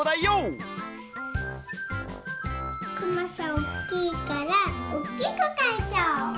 おっきいからおっきくかいちゃおう。